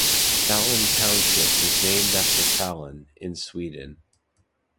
Falun Township was named after Falun, in Sweden.